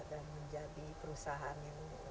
dan menjadi perusahaan yang